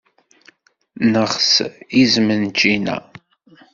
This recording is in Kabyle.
Neɣs izem n ččina.